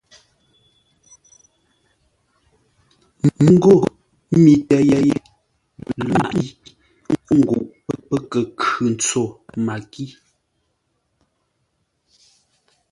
Məngô mi tə́ ye lǎʼ mbǐ nguʼ pə́ kə khʉ ntso makí.